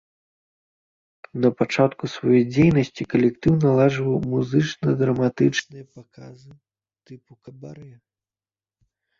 Напачатку сваёй дзейнасці калектыў наладжваў музычна-драматычныя паказы тыпу кабарэ.